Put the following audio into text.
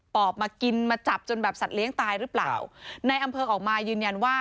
อบมากินมาจับจนแบบสัตว์เลี้ยงตายหรือเปล่าในอำเภอออกมายืนยันว่า